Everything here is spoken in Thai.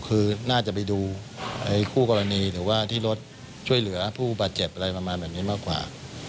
คือน่าจะไปดูคู่กรณีหรือว่าที่รถช่วยเหลือผู้บาดเจ็บอะไรประมาณแบบนี้มากกว่า